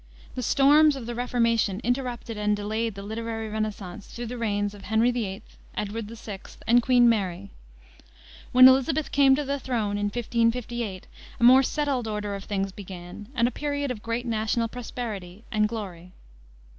The storms of the Reformation interrupted and delayed the literary renascence through the reigns of Henry VIII., Edward VI., and Queen Mary. When Elizabeth came to the throne, in 1558, a more settled order of things began, and a period of great national prosperity and glory.